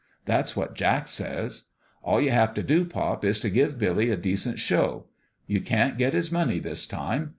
That's what Jack says. All you have to do, pop, is to give Billy a decent show. You can't get his money, this time.